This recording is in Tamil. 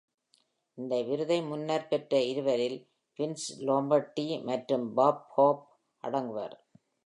இந்த விருதை முன்னர் பெற்ற இருவரில் வின்ஸ் லொம்பார்டி மற்றும் பாப் ஹோப் அடங்குவர்.